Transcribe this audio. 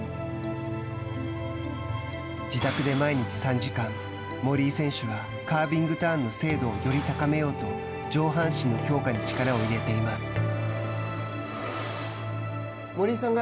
自宅で毎日３時間森井選手はカービングターンの精度をより高めようと上半身の強化に力を入れています。